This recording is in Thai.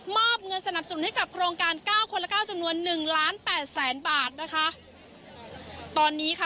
อบเงินสนับสนุนให้กับโครงการเก้าคนละเก้าจำนวนหนึ่งล้านแปดแสนบาทนะคะตอนนี้ค่ะ